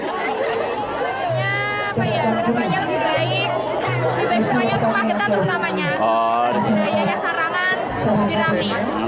tumpeng magetan terutamanya budaya yang sarangan lebih rame